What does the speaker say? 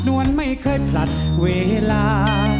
วลไม่เคยผลัดเวลา